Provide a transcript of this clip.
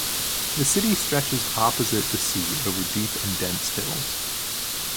The city stretches opposite the sea over deep and dense hills.